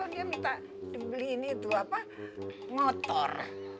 dia minta dibeli ini itu apa motor